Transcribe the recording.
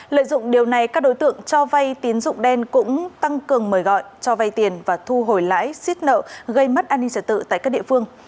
lợi dụng điều này các đối tượng cho vay tín dụng đen cũng tăng cường mời gọi cho vay tiền và thu hồi lãi xiết nợ gây mất an ninh trật tự tại các địa phương